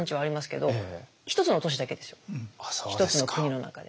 １つの国の中で。